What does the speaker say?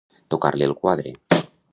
Tocar-li el quadre.